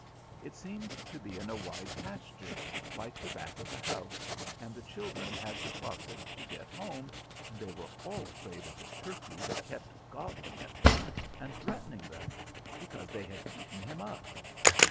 It seemed to be in a wide pasture, like that back of the house, and the children had to cross it to get home, and they were all afraid of the turkey that kept gobbling at them and threatening them, because they had eaten him up.